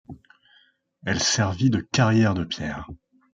Elle servit de carrière de pierre.